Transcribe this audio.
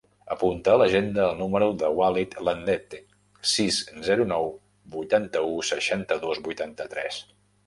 Apunta a l'agenda el número del Walid Landete: sis, zero, nou, vuitanta-u, seixanta-dos, vuitanta-tres.